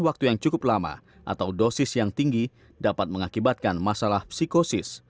waktu yang cukup lama atau dosis yang tinggi dapat mengakibatkan masalah psikosis